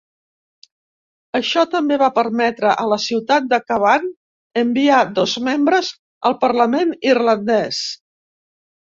Això també va permetre a la ciutat de Cavan enviar dos membres al parlament irlandès.